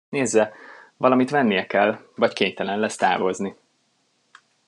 Nézze, valamit vennie kell, vagy kénytelen lesz távozni.